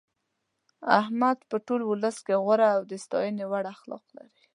احمد په ټول ولس کې غوره او د ستاینې وړ اخلاق لري.